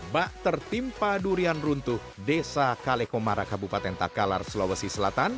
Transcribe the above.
bakter timpadurian runtuh desa kalekomara kabupaten takalar sulawesi selatan